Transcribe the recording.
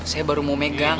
saya baru mau megang